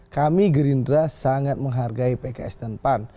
kami gerindra sangat menghargai pks dan pan